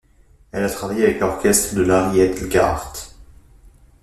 Elle a travaillé avec l'orchestre de Larry Elgart.